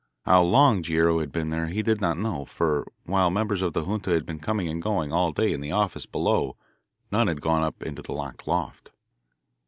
How long Guerrero had been there he did not know, for while members of the junta had been coming and going all day in the office below none had gone up into the locked loft.